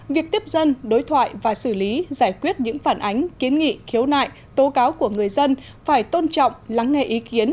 việc tiếp dân đối thoại và xử lý giải quyết những phản ánh kiến nghị khiếu nại tố cáo của người dân phải tôn trọng lắng nghe ý kiến